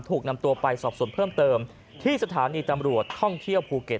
ถูกนำตัวไปสอบส่วนเพิ่มเติมที่สถานีตำรวจท่องเที่ยวภูเก็ต